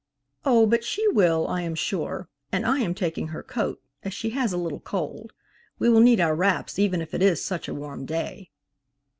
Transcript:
"Oh, but she will, I am sure, and I am taking her coat, as she has a little cold. We will need our wraps even if it is such a warm day."